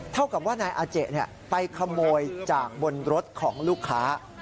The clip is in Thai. เท่ากับว่านายอาเจไปขโมยจากบนรถของลูกค้า